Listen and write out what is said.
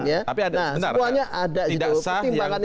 tapi ada benar tidak sah yang